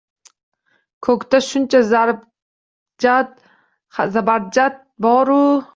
Koʼkda shuncha zabarjad bor-u